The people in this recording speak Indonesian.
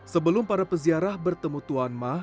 sebelum para peziarah bertemu tuan ma